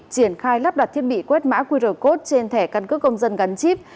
triển khai lắp đặt thiết bị quét mã qr code trên thẻ căn cước công dân gắn chip